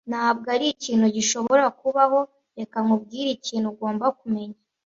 Ntabwo ari ikintu gishobora kubaho. Reka nkubwire ikintu ugomba kumenya.